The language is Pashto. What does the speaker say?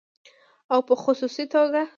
او په خصوصي توګه